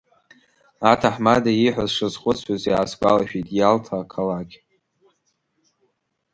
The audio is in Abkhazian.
Аҭаҳмада ииҳәаз сшазхәыцуаз, иаасгәалашәеит Иалта ақалақь.